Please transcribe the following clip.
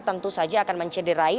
tentu saja akan mencederai